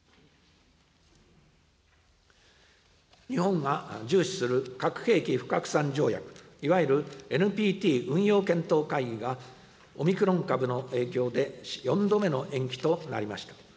日本が重視する核兵器不拡散条約、いわゆるＮＰＴ運用検討会議が、オミクロン株の影響で４度目の延期となりました。